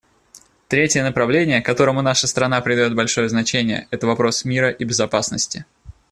Третье направление, которому наша страна придает большое значение, — это вопрос мира и безопасности.